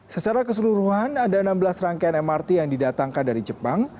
secara keseluruhan ada enam belas rangkaian mrt yang didatangkan dari jepang